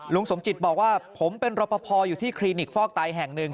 ลุงสมจิตบอกว่าผมเป็นรอปภอยู่ที่คลินิกฟอกไตแห่งหนึ่ง